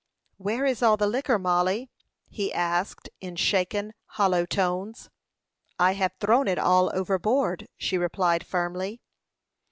"Where is all the liquor, Mollie?" he asked, in shaken, hollow tones. "I have thrown it all overboard," she replied, firmly.